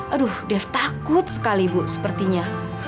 aduh def takut sekali bu sepertinya